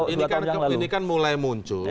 ini kan mulai muncul